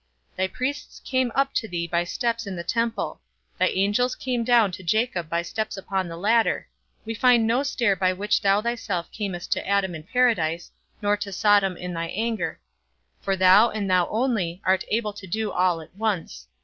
Thy priests came up to thee by steps in the temple; thy angels came down to Jacob by steps upon the ladder; we find no stair by which thou thyself camest to Adam in paradise, nor to Sodom in thine anger; for thou, and thou only, art able to do all at once.